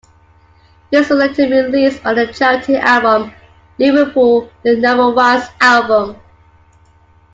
This was later released on the charity album "Liverpool - The Number Ones Album".